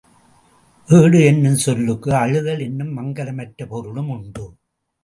ஏடு என்னும் சொல்லுக்கு அழுதல் என்னும் மங்கலமற்ற பொருளும் உண்டு.